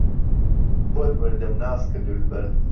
بۆت مردم ناسکە دولبەر